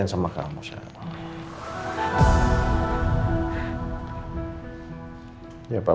ya udah apa sih pap